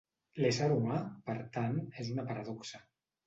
L'ésser humà, per tant, és una paradoxa.